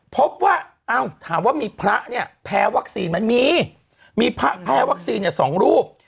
พบว่าถามว่ามีพระแพ้วัคซีนมันมีมีพระแพ้วัคซีนอย่าง๒รูป